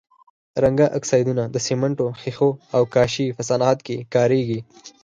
رنګه اکسایدونه د سمنټو، ښيښو او کاشي په صنعت کې کاریږي.